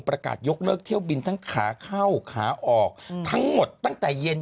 ประกาศยกเลิกเที่ยวบินทั้งขาเข้าขาออกทั้งหมดตั้งแต่เย็น